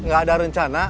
gak ada rencana